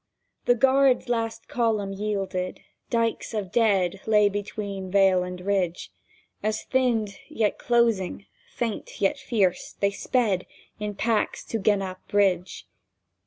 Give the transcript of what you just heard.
The Guards' last column yielded; dykes of dead Lay between vale and ridge, As, thinned yet closing, faint yet fierce, they sped In packs to Genappe Bridge.